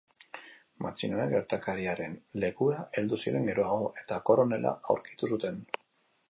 Matxinoek gertakariaren lekura heldu ziren geroago, eta koronela aurkitu zuten.